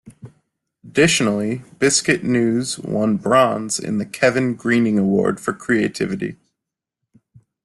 Additionally, Biscuit News won Bronze in the Kevin Greening Award for Creativity.